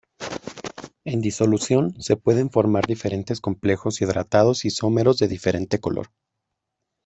En disolución, se pueden formar diferentes complejos hidratados isómeros de diferente color.